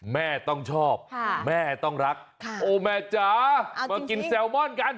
แม่ต้องชอบแม่ต้องรักโอ้แม่จ๋ามากินแซลมอนกัน